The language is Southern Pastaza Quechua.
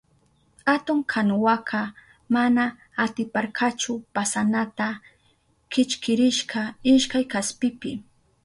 Atun kanuwaka mana atiparkachu pasanata, kichkirishka ishkay kaspipi.